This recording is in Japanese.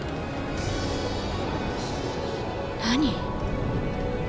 何？